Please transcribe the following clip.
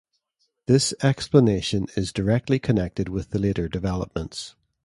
This explanation is directly connected with the later developments.